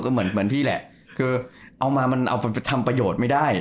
เหมือนพี่แหละเอามามันทำประโยชน์ไม่ได้